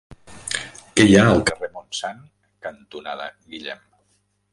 Què hi ha al carrer Montsant cantonada Guillem?